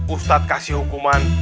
ustad kasih hukuman